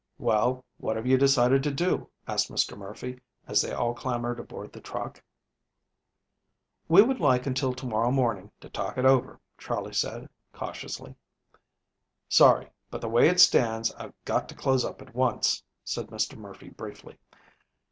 "Well, what have you decided to do?" asked Mr. Murphy, as they all clambered aboard the truck. "We would like until to morrow morning to talk it over," Charley said cautiously. "Sorry, but the way it stands, I've got to close up at once," said Mr. Murphy briefly.